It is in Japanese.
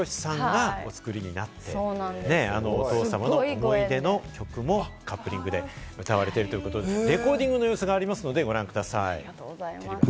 この新曲なんですが、五木ひろしさんがお作りになって、お父様の思い出の曲もカップリングで歌われているということで、レコーディングの様子がありますので、ご覧ください。